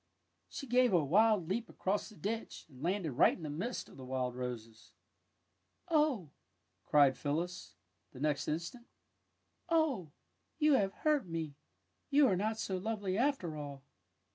She gave a wild leap across the ditch, and landed right in the midst of the wild roses. '' Oh! " cried Phyllis, the next instant. ^' Oh, you have hurt me! You are not so lovely, after all!